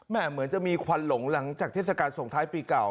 เหมือนจะมีควันหลงหลังจากเทศกาลส่งท้ายปีเก่า